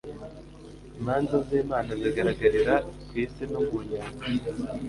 imanza z'imana ziragaragarira ku isi no mu nyanja